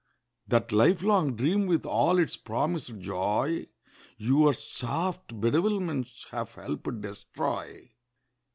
That lifelong dream with all its promised joy Your soft bedevilments have helped destroy.